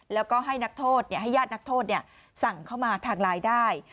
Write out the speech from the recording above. แล้วก็ให้นักโทษเนี่ยให้ญาตินักโทษเนี่ยสั่งเข้ามาทางลายได้